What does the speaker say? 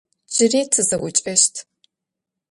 Джыри тызэӏукӏэщт.